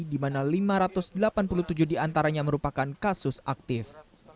di mana lima ratus delapan puluh tujuh diantaranya merupakan kasus aktif